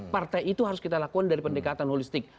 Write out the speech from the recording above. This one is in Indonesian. partai itu harus kita lakukan dari pendekatan holistik